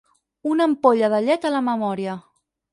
Una ampolla de llet a la memòria.